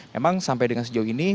memang sampai dengan sejauh ini